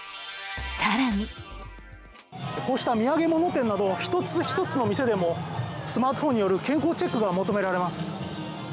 更にこうした土産物店など一つ一つの店でもスマートフォンによる健康チェックが求められます。